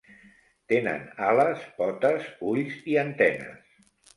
Tenen ales, potes, ulls i antenes.